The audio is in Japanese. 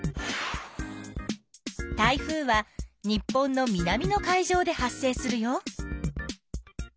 台風は日本の南の海上で発生するよ。